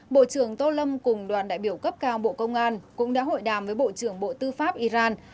bộ trưởng tô lâm cùng đoàn đại biểu cấp cao bộ công an cũng đã hội đàm với bộ trưởng bộ tư pháp iran